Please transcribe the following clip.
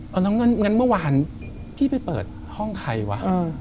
เอาน้องเงินเมื่อวานพี่ไปเปิดห้องใครวะ